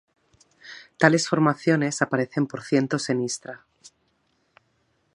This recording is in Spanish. Tales formaciones aparecen por cientos en Istria.